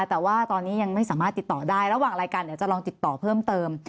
แต่ว่าตอนนี้ยังไม่สามารถติดต่อได้ระหว่างรายการเดี๋ยวจะลองติดต่อเพิ่มเติม